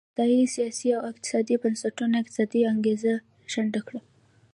استبدادي سیاسي او اقتصادي بنسټونو اقتصادي انګېزه شنډه کړه.